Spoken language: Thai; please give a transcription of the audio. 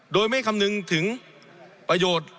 โดยไม่คำนึงถึงประโยชน์